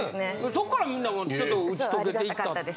そっからみんなちょっと打ち解けていったっていう。